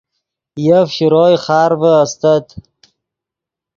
یف شروئے خارڤے استت